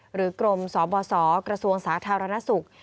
หรือกรมสบสกระทรวงสาธารณสุข